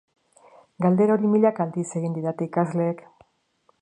Galdera hori milaka aldiz egin didate ikasleek.